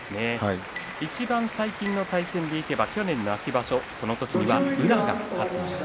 いちばん最近の対戦でいけば去年の秋場所その先には宇良が勝っています。